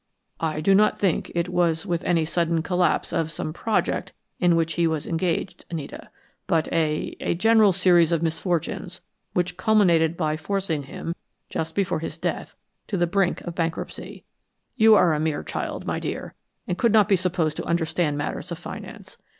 "I do not think it was any sudden collapse of some project in which he was engaged, Anita, but a a general series of misfortunes which culminated by forcing him, just before his death, to the brink of bankruptcy. You are a mere child, my dear, and could not be supposed to understand matters of finance.